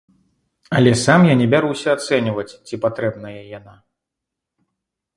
Але сам я не бяруся ацэньваць, ці патрэбная яна.